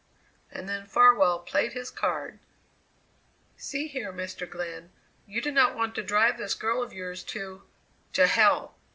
And then Farwell played his card. "See here, Mr. Glenn, you do not want to drive this girl of yours to to hell!